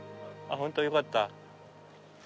本当よかった。